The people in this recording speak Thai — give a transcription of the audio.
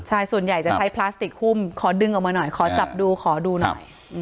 ใช่ส่วนใหญ่จะใช้พลาสติกหุ้มขอดึงออกมาหน่อยขอจับดูขอดูหน่อย